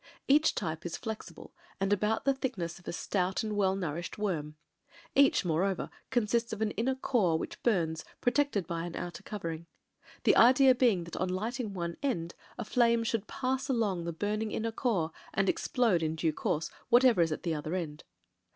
Each type is flexible, and about the thick ness of a stout and well nourished worm. Each, more over, consists of an inner core which bums, protected by an outer covering — ^the idea being that on lighting one end a flame should pass along the burning inner core and explode in due course whatever is at the other end.